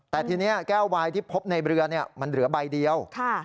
แต่ทีนี้แก้ววายที่พบในเรือมันเหลือใบเดียว